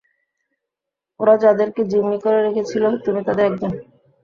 ওরা যাদেরকে জিম্মি করে রেখেছিলো তুমি তাদের একজন।